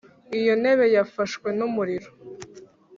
iyo ntebe yafashwe n’umuriro?